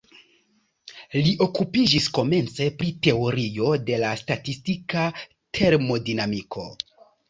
Li okupiĝis komence pri teorio de la statistika termodinamiko.